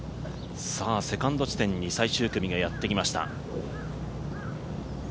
セカンド地点に最終組がやってきました。